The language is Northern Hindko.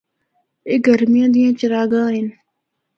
اے گرمیاں دیاں چراگاہاں ہن۔